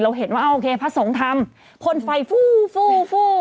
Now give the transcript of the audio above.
เราเห็นว่าอ้าวโอเคพระสงฆ์ทำพนไฟฟู้